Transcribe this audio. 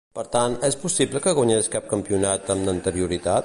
Per tant, és possible que guanyés cap campionat amb anterioritat?